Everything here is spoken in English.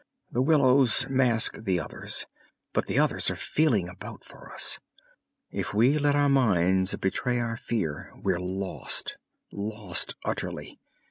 The willows mask the others, but the others are feeling about for us. If we let our minds betray our fear, we're lost, lost utterly."